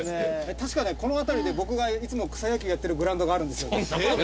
確かねこの辺りで僕がいつも草野球やってるグラウンドがあるんですよ。